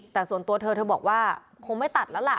แต่ส่วนตัวเธอเธอบอกว่าคงไม่ตัดแล้วล่ะ